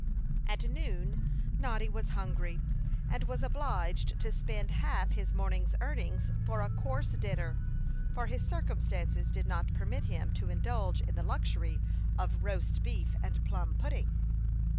At noon, Noddy was hungry, and was obliged to spend half his morning's earnings for a coarse dinner, for his circumstances did not permit him to indulge in the luxury of roast beef and plum pudding.